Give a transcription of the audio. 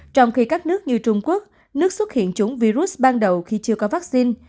trong khi các nước như trung quốc nước xuất hiện chúng virus ban đầu khi chưa có vaccine